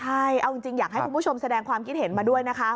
ใช่เอาจริงอยากให้คุณผู้ชมแสดงความคิดเห็นมาด้วยนะคะ